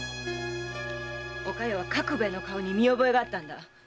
おかよは角兵衛の顔に見覚えがあったんだ。